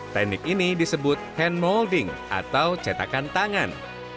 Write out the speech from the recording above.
teknik ini disebut hand molding atau cetakan tangan